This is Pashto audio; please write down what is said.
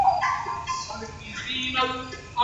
په لاس لیکل د زده کړي د بهیر تر ټولو باوري میتود دی.